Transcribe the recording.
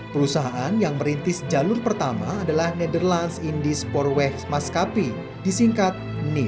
perusahaan yang merintis jalur pertama adalah netherlands indies porweg maskapi disingkat nis